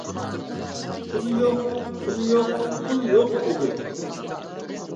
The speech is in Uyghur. پۇل يوق. پۇل يوق. پۇل يوق ئىدى.